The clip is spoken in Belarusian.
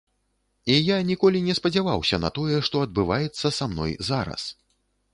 І я ніколі не спадзяваўся на тое, што адбываецца са мной зараз.